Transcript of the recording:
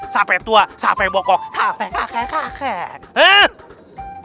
sampai tua sampai bokok sampai kakek kakek